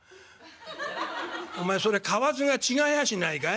「お前それかわずが違やしないかい？